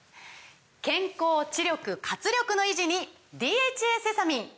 健康・知力・活力の維持に「ＤＨＡセサミン」！